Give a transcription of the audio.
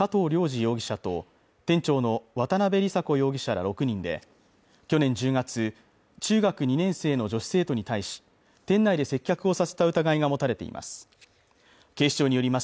容疑者と店長の渡辺理沙子容疑者ら６人で去年１０月中学２年生の女子生徒に対し店内で接客をさせた疑いが持たれています